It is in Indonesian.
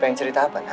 pengen cerita apa nak